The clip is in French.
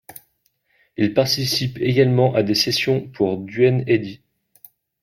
Il participe également à des sessions pour Duane Eddy.